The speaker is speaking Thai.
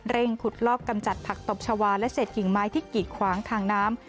ขุดลอกกำจัดผักตบชาวาและเศษกิ่งไม้ที่กีดขวางทางน้ำ